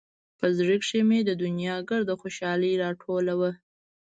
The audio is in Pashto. په زړه کښې مې د دونيا ګرده خوشالي راټوله وه.